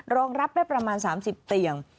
รองรับได้ประมาณ๓๐เตียง